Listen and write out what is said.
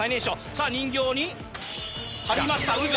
さぁ人形に貼りました「渦」